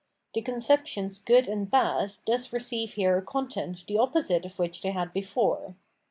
The conceptions good and bad thus receive here a content the opposite of which they had before.